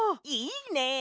いいね！